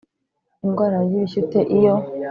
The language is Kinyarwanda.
Indwara y ibishyute iyo